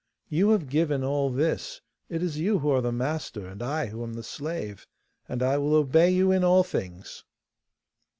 'You have given all this; it is you who are the master, and I who am the slave, and I will obey you in all things.